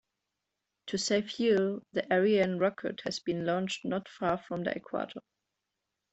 To save fuel, the Ariane rocket has been launched not far from the equator.